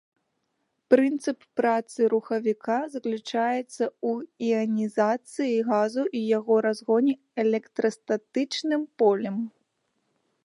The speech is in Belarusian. Прынцып працы рухавіка заключаецца ў іанізацыі газу і яго разгоне электрастатычным полем.